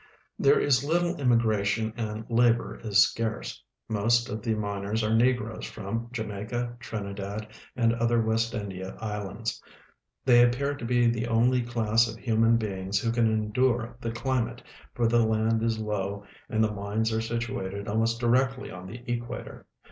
There is little immigration and labor is scarce. Most of the miners are negroes from Jamaica, Trinidad, and other A\'est India islands. They appear to be the only class of human beings Avho can endure the climate, for the land is Ioav and the mines are situated almost directly on the equator.